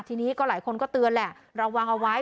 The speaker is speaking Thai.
ทีนี้ก็หลายคนก็เตือนแหละระวังเอาไว้